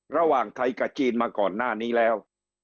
ระหว่างไทยกับจีนมาก่อนหน้านี้แล้ว